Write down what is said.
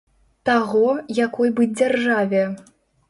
Таго, якой быць дзяржаве.